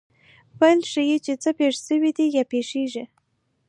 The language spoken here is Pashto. فعل ښيي، چي څه پېښ سوي دي یا پېښېږي.